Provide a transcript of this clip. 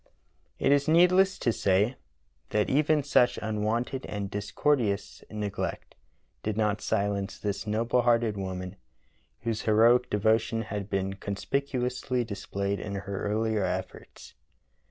It is needless to say that even such unwonted and discourteous neglect did not silence this noble hearted woman, whose heroic devotion had been conspicuously displayed in her earlier efforts.